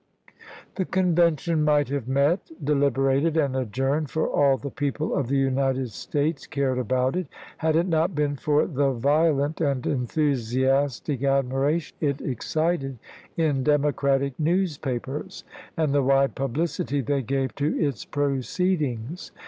The Convention might have met, deliberated, and adjourned for all the people of the United States cared about it, had it not been for the violent and enthusiastic admiration it excited in Democratic newspapers and the wide publicity they gave to its proceedings.